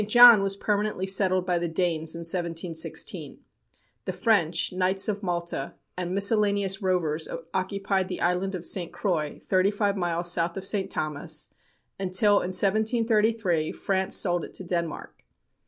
John was permanently settled by the Danes in 1716. The French, Knights of Malta, and "miscellaneous rovers" occupied the island of St. Croix, thirty five miles south of St. Thomas until, in 1733, France sold it to Denmark.